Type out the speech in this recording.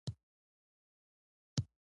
دا اتوم د کتیون په نوم یادیږي.